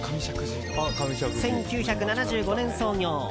１９７５年創業。